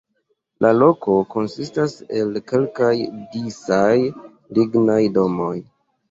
La loko konsistas el kelkaj disaj lignaj domoj.